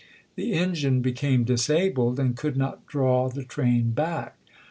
The engine became disabled and could not draw the train back.